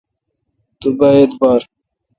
تو با اعبار ۔